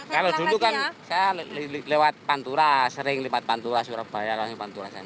kalau dulu kan saya lewat pantura sering lewat pantura surabaya langsung pantura